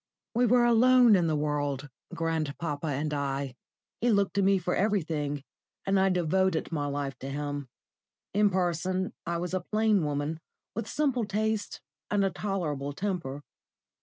We were alone in the world, grandpapa and I. He looked to me for everything, and I devoted my life to him. In person I was a plain woman, with simple tastes and a tolerable temper.